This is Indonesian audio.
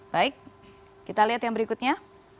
baik kita lihat yang berikutnya